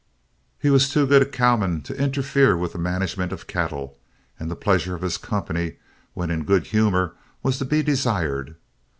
He was too good a cowman to interfere with the management of cattle, and the pleasure of his company, when in good humor, was to be desired.